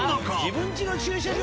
自分ちの駐車場